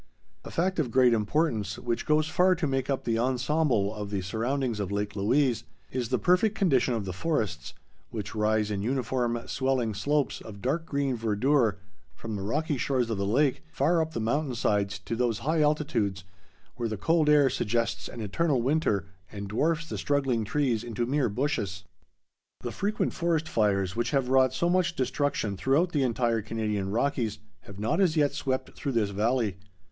A fact of great importance, which goes far to make up the ensemble of the surroundings of Lake Louise, is the perfect condition of the forests, which rise in uniform, swelling slopes of dark green verdure from the rocky shores of the lake far up the mountain sides to those high altitudes where the cold air suggests an eternal winter and dwarfs the struggling trees into mere bushes. The frequent forest fires, which have wrought so much destruction throughout the entire Canadian Rockies, have not as yet swept through this valley.